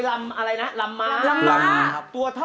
ก็มากดีว่ะ